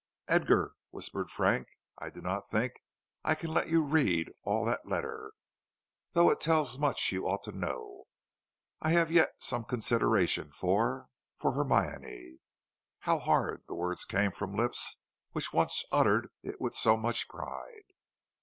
"Edgar," whispered Frank, "I do not think I can let you read all that letter, though it tells much you ought to know. I have yet some consideration for for Hermione " (How hard the word came from lips which once uttered it with so much pride!)